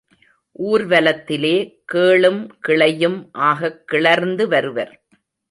ஊர்வலத்தில் கேளும் கிளையும் ஆகக் கிளர்ந்து வருவர்.